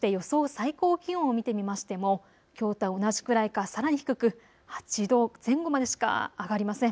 最高気温を見てみましてもきょうと同じくらいかさらに低く８度前後までしか上がりません。